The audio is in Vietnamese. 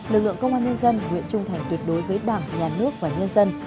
lực lượng công an nhân dân nguyện trung thành tuyệt đối với đảng nhà nước và nhân dân